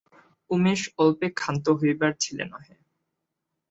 উমেশ অল্পে ক্ষান্ত হইবার ছেলে নহে।